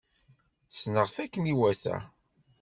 Sneɣ-t akken iwata.